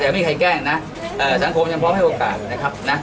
ไม่มีใครแกล้งนะสังคมยังพร้อมให้โอกาสนะครับนะ